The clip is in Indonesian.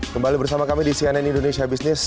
kembali bersama kami di cnn indonesia business